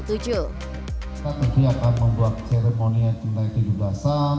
terkait hal tersebut astra financial juga akan menyelenggarakan berbagai acara menarik bagi pengunjung pameran